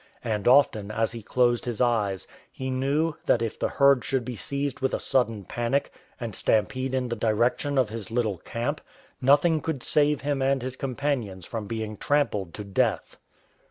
And often, as he closed his eyes, he knew that if the herd should be seized with a sudden panic and stampede in the direction of his little camp, nothing could save him and his companions from being trampled to death.